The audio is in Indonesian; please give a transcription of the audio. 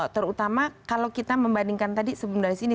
terutama kalau kita membandingkan tadi sebelum dari sini